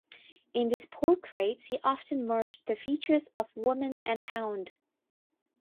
In his portraits he often merged the features of woman and hound.